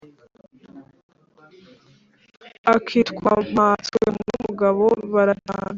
akitwa mpatswenumugabo, barajyana.